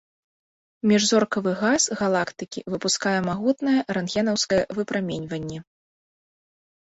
Міжзоркавы газ галактыкі выпускае магутнае рэнтгенаўскае выпраменьванне.